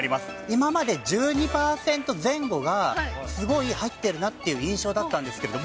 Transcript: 今まで１２％前後がすごい入ってるなという印象だったんですけど。